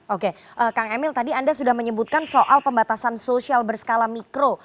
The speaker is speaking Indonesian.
oke kang emil tadi anda sudah menyebutkan soal pembatasan sosial berskala mikro